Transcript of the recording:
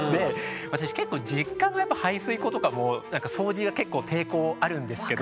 私結構実家の排水溝とかも掃除が結構抵抗あるんですけど。